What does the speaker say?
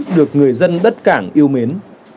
được người dân đất cảng yêu mến